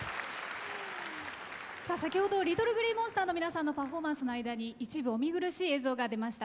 先ほどＬｉｔｔｌｅＧｌｅｅＭｏｎｓｔｅｒの皆さんのパフォーマンスの間に一部お見苦しい映像が出ました。